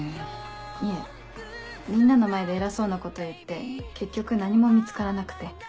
いえみんなの前で偉そうなこと言って結局何も見つからなくて。